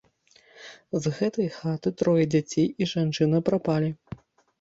З гэтай хаты трое дзяцей і жанчына прапалі.